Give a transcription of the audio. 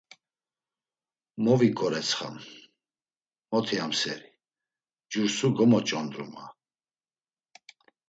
Moviǩoretsxam… Motiyamseri, Cursu gomoç̌ondru, ma.